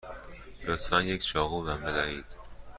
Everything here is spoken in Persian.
لطفا یک چاقو به من بدهید.